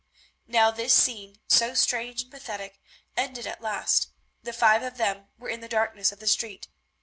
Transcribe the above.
Now this scene, so strange and pathetic, ended at last, the five of them were in the darkness of the street.